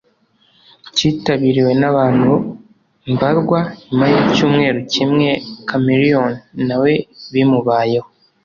cyitabiriwe n’abantu mbarwa nyuma y’icyumweru kimwe Chameleone na we bimubayeho